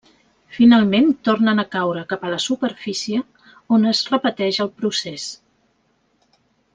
Finalment tornen a caure cap a la superfície on es repeteix el procés.